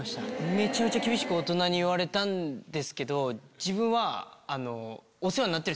めちゃめちゃ厳しく大人に言われたんですけど自分は。